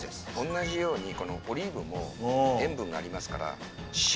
同じようにこのオリーブも塩分がありますから塩。